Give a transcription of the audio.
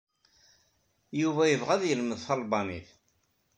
Yuba yebɣa ad yelmed talbanit.